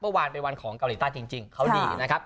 เมื่อวานเป็นวันของเกาหลีใต้จริงเขาดีนะครับ